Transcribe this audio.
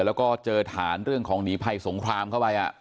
แล้วก็เจอฐานเรื่องของหนีภัยสงครามเข้าไป